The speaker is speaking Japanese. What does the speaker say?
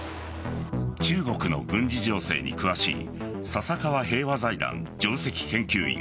中国の軍事情勢に詳しい笹川平和財団・上席研究員